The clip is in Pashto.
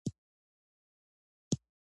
انګور د افغانستان د اقلیم یوه مهمه ځانګړتیا ده.